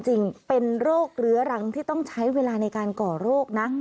จริงเป็นโรคเรื้อรังที่ต้องใช้เวลาในการก่อโรคนะ